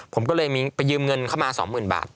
ผมก็เลยไปยืมเงินเข้ามา๒๐๐๐บาท